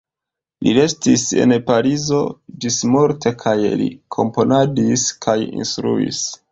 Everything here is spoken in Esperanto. Li restis en Parizo ĝismorte kaj li komponadis kaj instruis.